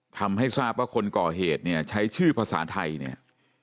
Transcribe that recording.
ทำให้ทราบว่าคนก่อเหตุเนี่ยใช้ชื่อภาษาไทยเนี่ย